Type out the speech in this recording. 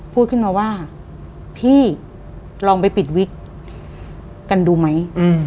พูดขึ้นมาว่าพี่ลองไปปิดวิกกันดูไหม